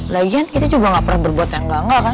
lagian kita juga gak pernah berbuat yang enggak enggak kan